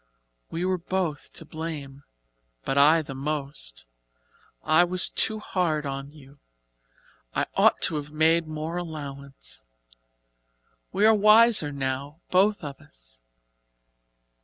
"We were both to blame but I the most. I was too hard on you I ought to have made more allowance. We are wiser now both of us.